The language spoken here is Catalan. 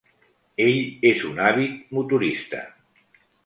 Ell és un àvid motorista.